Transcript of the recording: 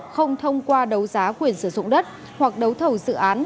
không thông qua đấu giá quyền sử dụng đất hoặc đấu thầu dự án